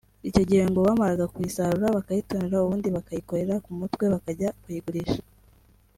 icyo gihe ngo bamaraga kuyisarura bakayitonora ubundi bakayikorera ku mutwe bakajya kuyigurisha